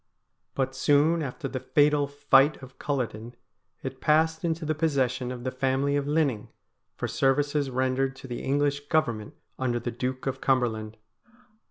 But soon after the fatal fight of Culloden it passed into the possession of the family of Linning, for services rendered to the English Government under the Duke of Cumberland.